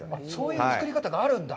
そういう作り方があるんだ。